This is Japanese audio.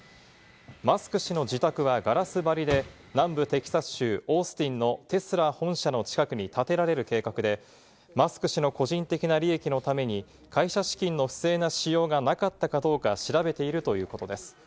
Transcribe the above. マスク氏の自宅はガラス張りで、南部テキサス州オースティンのテスラ本社の近くに建てられる計画で、マスク氏の個人的な利益のために会社資金の不正な使用がなかったかどうか調べているということです。